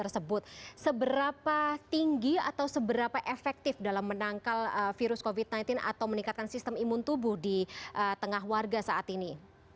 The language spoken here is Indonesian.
seberapa tinggi atau seberapa efektif dalam menangkal virus covid sembilan belas atau meningkatkan sistem imun tubuh di tengah warga saat ini